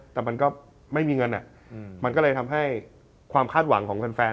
แต่มันก็ไม่มีเงินมันก็เลยทำให้ความคาดหวังของแฟน